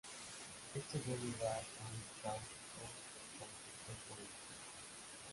Esto dio lugar a un cáustico conflicto público.